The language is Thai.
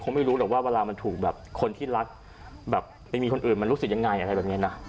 ไม่รู้หรอกว่าเวลามันถูกแบบคนที่รักแบบไปมีคนอื่นมันรู้สึกยังไงอะไรแบบนี้นะ